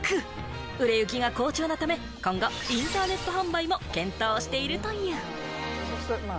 売れ行きが好調なため、今後インターネット販売も検討しているという。